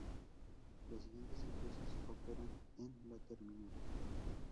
Las siguientes empresas operan en la terminal.